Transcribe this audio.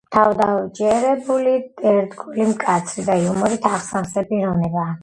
თავდაჯერებული, ერთგული, მკაცრი და იუმორით აღსავსე პიროვნებაა.